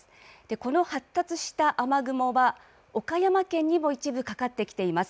この発達した雨雲は岡山県にも一部かかってきています。